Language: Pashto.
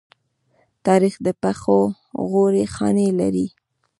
تاریخ د پښو غوړې خاڼې لري.